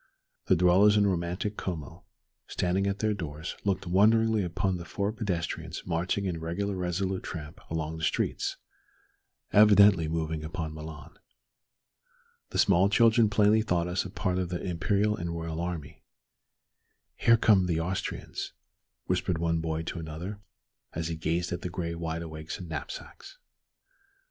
The dwellers in romantic Como, standing at their doors, looked wonderingly upon the four pedestrians marching in regular resolute tramp along the streets, evidently moving upon Milan. The small children plainly thought us a part of the imperial and royal army. "Here come the Austrians," whispered one boy to another, as he gazed at the gray wide awakes and knapsacks.